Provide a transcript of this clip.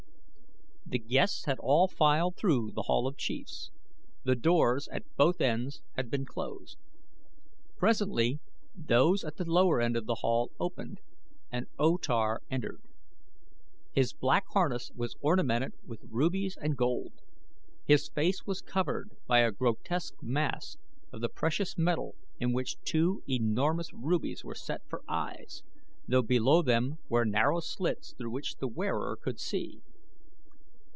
The guests had all filed through The Hall of Chiefs; the doors at both ends had been closed. Presently those at the lower end of the hall opened and O Tar entered. His black harness was ornamented with rubies and gold; his face was covered by a grotesque mask of the precious metal in which two enormous rubies were set for eyes, though below them were narrow slits through which the wearer could see.